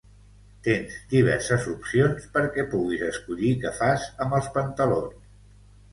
tens diverses opcions perquè puguis escollir què fas amb els pantalons